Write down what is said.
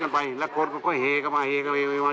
อ่าเห็นไหมคุณ